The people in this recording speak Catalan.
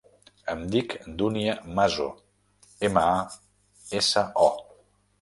Em dic Dúnia Maso: ema, a, essa, o.